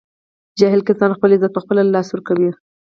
جاهل کسان خپل عزت په خپله له لاسه ور کوي